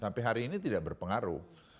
sampai hari ini tidak berpengaruh